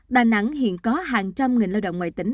đà nẵng hiện có hàng trăm nghìn lao động ngoại tính